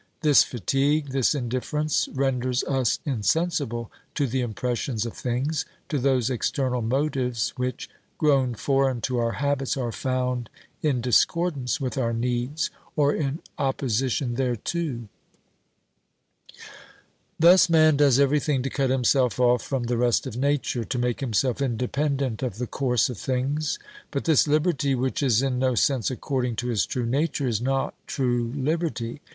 This fatigue, this indifference, renders us insensible to the impressions of things, to those external motives which, grown foreign to our habits, are found in discordance with our needs, or in opposition thereto. Thus man does everything to cut himself off from the rest of nature, to make himself independent of the course of things, but this liberty, which is in no sense according to his true nature, is not true liberty.